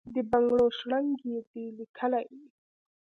د بنګړو شرنګ یې دی لېکلی،